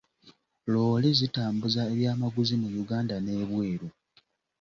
Loore zitambuza ebyamaguzi mu Uganda n'ebweru.